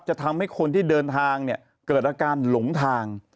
จะทำให้คนที่เดินทางเนี่ยเกิดอาการหลงทาง